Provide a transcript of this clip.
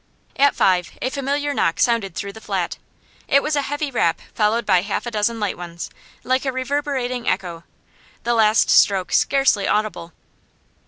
At five a familiar knock sounded through the flat; it was a heavy rap followed by half a dozen light ones, like a reverberating echo, the last stroke scarcely audible.